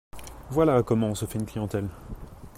Voilà comment on se fait une clientèle !